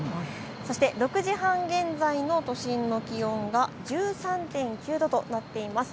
そして６時半現在の都心の気温が１３．９度となっています。